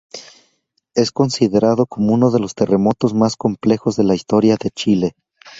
Es considerado como uno de los terremotos más complejos de la historia de Chile.